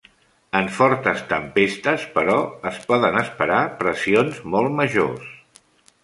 En fortes tempestes, però, es poden esperar pressions molt majors.